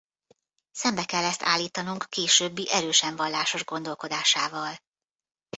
Szembe kell ezt állítanunk későbbi erősen vallásos gondolkodásával.